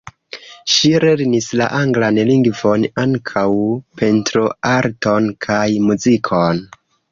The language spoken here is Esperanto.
Ŝi lernis la anglan lingvon, ankaŭ pentroarton kaj muzikon.